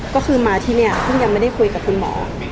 ก็คือมาที่นี่เพิ่งยังไม่ได้คุยกับคุณหมอ